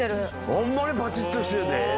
ホンマにパチッとしてるで。